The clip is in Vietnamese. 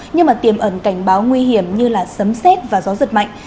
nhưng mà tiềm ẩn cảnh báo nguy hiểm như sấm xét và gió giật mạnh